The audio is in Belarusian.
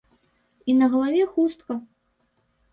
І на галаве хустка.